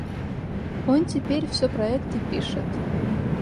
Он теперь всё проекты пишет.